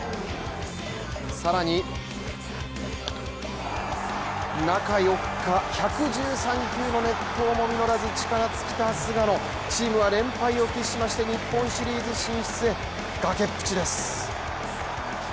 さらに、中４日１１３球の熱投も実らず力尽きた菅野チームは連敗を喫しました日本シリーズ進出へ崖っぷちです。